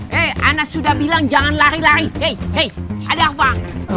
hei anda sudah bilang jangan lari lari hei hei ada uang